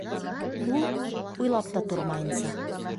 Ул, уйлап та тормайынса: